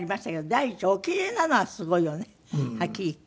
第一お奇麗なのがすごいよねはっきり言って。